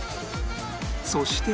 そして